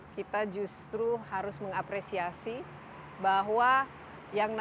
kita justru harus mengapresiasi bahwa yang namanya